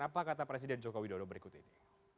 apa kata presiden joko widodo berikut ini